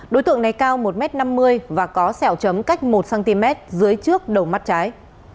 đối tượng này cao một m năm mươi và có sẹo chấm cách một cm dưới trước đầu mắt trái